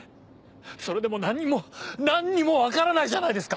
それでも何も何にも分からないじゃないですか！